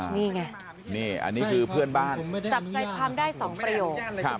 นี่ไงนี่อันนี้คือเพื่อนบ้านจับใจพรรณได้สองประโยคครับ